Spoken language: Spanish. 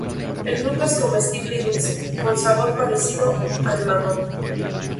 El fruto es comestible y dulce, con sabor parecido al mamón.